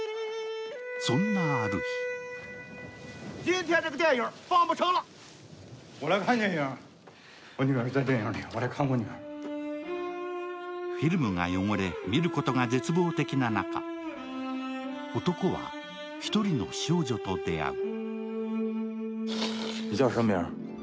そんなある日フィルムが汚れ、見ることが絶望的な中、男は１人の少女と出会う。